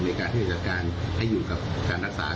ในการที่จะจัดการให้อยู่กับการรักษา